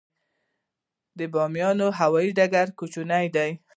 د بامیان هوايي ډګر کوچنی دی